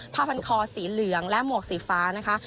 ผ้าพันคอสีเหลืองและหมวกสีฟ้านะคะ